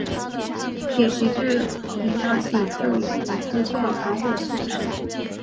铁狮自明朝起就已出现残毁迹象。